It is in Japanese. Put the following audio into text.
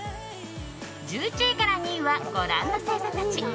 １１位から２位はご覧の星座たち。